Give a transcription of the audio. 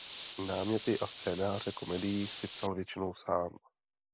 Náměty a scénáře komedií si psal většinou sám.